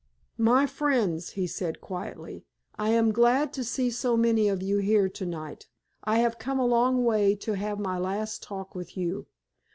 "My friends," he said quietly, "I am glad to see so many of you here to night. I have come a long way to have my last talk with you.